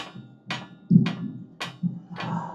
泥礼拥立遥辇氏迪辇组里为阻午可汗。